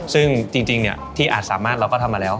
ซึ่งจริงที่อาจสามารถเราก็ทำมาแล้ว